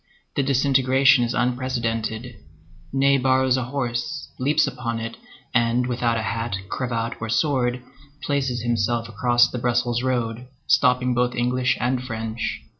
The disintegration is unprecedented. Ney borrows a horse, leaps upon it, and without hat, cravat, or sword, places himself across the Brussels road, stopping both English and French.